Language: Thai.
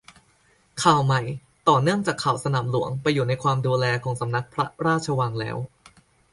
ข่าวใหม่ ต่อเนื่องจากข่าวสนามหลวงไปอยู่ในความดูแลของสำนักพระราชวังแล้ว